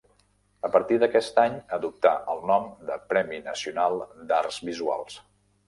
A partir d'aquest any adoptà el nom de Premi Nacional d'Arts Visuals.